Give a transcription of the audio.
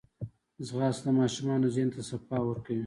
ځغاسته د ماشومانو ذهن ته صفا ورکوي